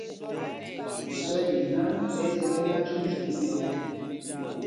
Isoda iná ɓɛ́ ɛ́ zi mɛ̄t ɓáájyuujyuu tí mɛlyam.